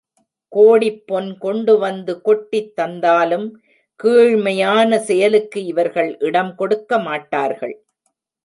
கோடிப் பொன் கொண்டுவந்து கொட்டித் தந்தாலும் கீழ்மையான செயலுக்கு இவர்கள் இடம் கொடுக்க மாட்டார்கள்.